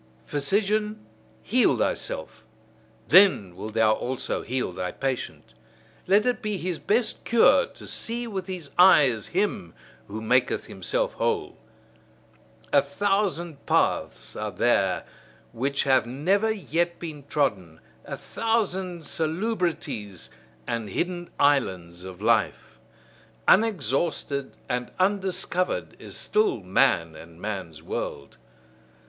Physician, heal thyself: then wilt thou also heal thy patient. Let it be his best cure to see with his eyes him who maketh himself whole. A thousand paths are there which have never yet been trodden; a thousand salubrities and hidden islands of life. Unexhausted and undiscovered is still man and man's world.